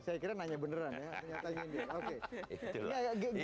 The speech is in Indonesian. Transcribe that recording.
saya kira nanya beneran ya